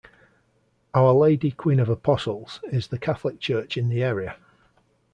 Our Lady Queen of Apostles is the Catholic Church in the area.